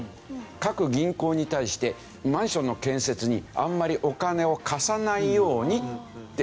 各銀行に対してマンションの建設にあんまりお金を貸さないようにってやったんですよ。